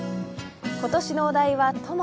今年のお題は「友」。